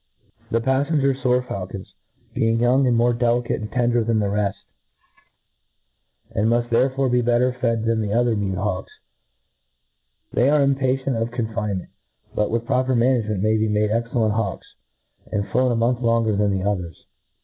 The paflcnger foar faulcons, being ypung, are mqre delicate and tender than the reft, and B b muft 15^4 A T R E A T I S E O F muft therefore be better fed than the other mewed hawks. They are impatient of confine ment; but with proper management may be made excellent hawks, and flown a month long ' cr than the others.